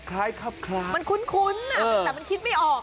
มันคุ้นแต่แหละคิดไม่ออก